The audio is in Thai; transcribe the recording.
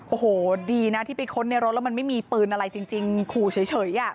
โอ้โหดีนะที่ไปค้นในรถแล้วมันไม่มีปืนอะไรจริงขู่เฉย